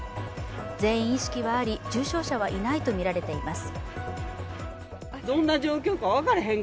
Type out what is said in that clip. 全員意識はあり、重症者はいないとみられています。